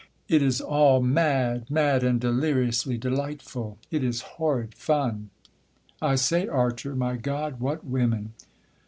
It is all mad, mad and deliriously delightful.... It is HORRID FUN.... (I say, Archer, my God, what women!)"